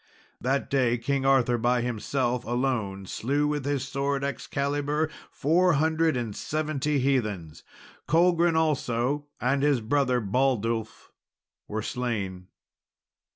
That day King Arthur by himself alone slew with his word Excalibur four hundred and seventy heathens. Colgrin also, and his brother Baldulph, were slain.